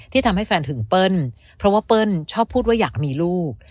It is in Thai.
ทำให้แฟนถึงเปิ้ลเพราะว่าเปิ้ลชอบพูดว่าอยากมีลูก